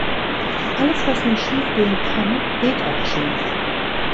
Alles, was nur schiefgehen kann, geht auch schief.